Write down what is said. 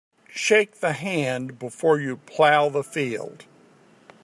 Shake the hand before you plough the field.